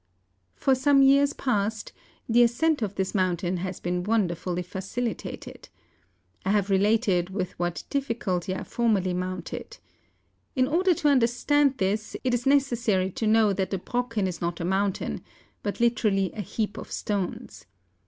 For some years past the ascent of this moun¬ tain has been wonderfully facilitated. I have re¬ lated with what difficulty I formerly mounted. In order to understand this, it is necessary to know that the Brocken is not a mountain, but literally a heap of stones.